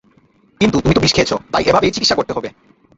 কিন্তু তুমি তো বিষ খেয়েছো, তাই এভাবেই চিকিৎসা করতে হবে।